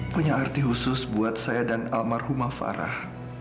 punya arti khusus buat saya dan almarhumah farah